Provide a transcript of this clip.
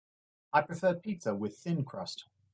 I prefer pizza with thin crust.